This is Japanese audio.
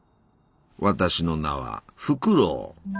私の名はフクロウ。